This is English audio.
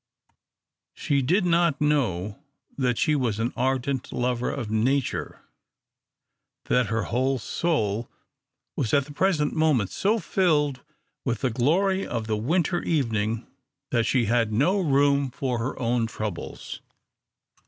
She did not know that she was an ardent lover of nature that her whole soul was at the present moment so filled with the glory of the winter evening that she had no room for her own troubles.